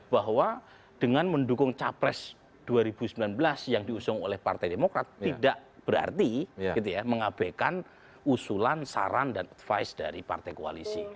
bahwa dengan mendukung capres dua ribu sembilan belas yang diusung oleh partai demokrat tidak berarti mengabaikan usulan saran dan advice dari partai koalisi